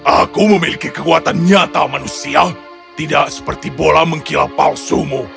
aku memiliki kekuatan nyata manusia tidak seperti bola mengkilap palsumu